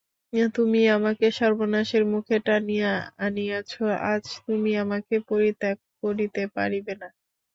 তুমিই আমাকে সর্বনাশের মুখে টানিয়া আনিয়াছ, আজ তুমি আমাকে পরিত্যাগ করিতে পারিবে না।